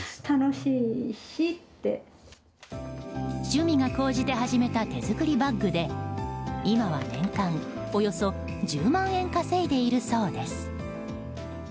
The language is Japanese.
趣味が高じて始めた手作りバッグで今は年間およそ１０万円稼いでいるそうです。